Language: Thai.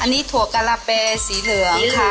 อันนี้ถั่วกะละเปสีเหลืองค่ะ